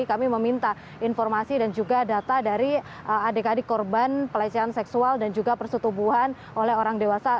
kami meminta informasi dan juga data dari adik adik korban pelecehan seksual dan juga persetubuhan oleh orang dewasa